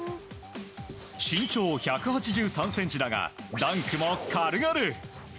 身長１８３ｃｍだがダンクも軽々。